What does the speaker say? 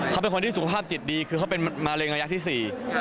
เขาเป็นคนที่สุขภาพจิตดีคือเขาเป็นมะเร็งระยะที่๔